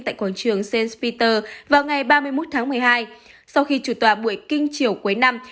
tại quảng trường st peter vào ngày ba mươi một tháng một mươi hai sau khi chủ tòa buổi kinh chiều cuối năm